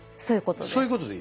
そういうことです。